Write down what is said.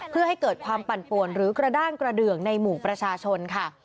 เพื่อให้เกิดความปั่นป่วนหรือกระด้างกระเดืองในหมู่ประชาชนค่ะ